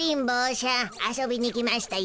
遊びに来ましたよ。